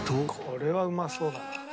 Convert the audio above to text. これはうまそうだな。